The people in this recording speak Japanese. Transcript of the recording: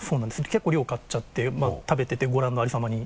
結構量買っちゃって食べててご覧のありさまに。